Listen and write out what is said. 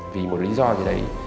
vì một lý do như này